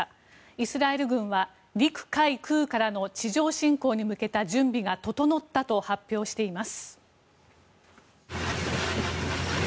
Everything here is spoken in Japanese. イスラエル軍は陸海空からの地上侵攻に向けた準備が整ったと発表しています。